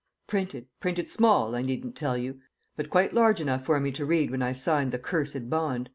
"Printed printed small, I needn't tell you but quite large enough for me to read when I signed the cursed bond.